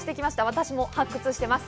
私も発掘してます。